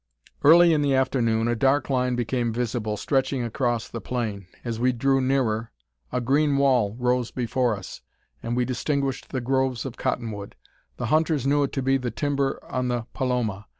Early in the afternoon a dark line became visible, stretching across the plain. As we drew nearer, a green wall rose before us, and we distinguished the groves of cotton wood. The hunters knew it to be the timber on the Paloma.